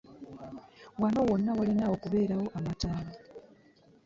Wano wona walina okubeera wo amataala.